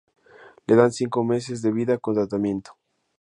Le dan cinco meses de vida con tratamiento.